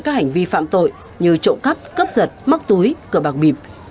các hành vi phạm tội như trộm cắp cướp giật móc túi cờ bạc bịp